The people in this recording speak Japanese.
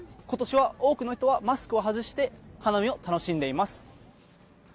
今年は多くの人はマスクを外して花見を楽しんでいます